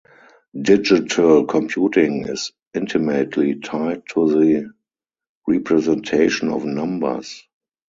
Digital computing is intimately tied to the representation of numbers.